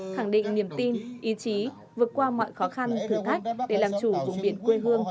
khẳng định niềm tin ý chí vượt qua mọi khó khăn thử thách để làm chủ vùng biển quê hương